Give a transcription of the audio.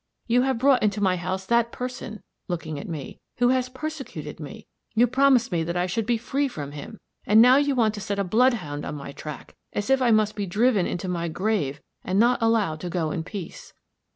You have brought into my house that person," looking at me, "who has persecuted me. You promised me that I should be free from him. And now you want to set a bloodhound on my track as if I must be driven into my grave, and not allowed to go in peace."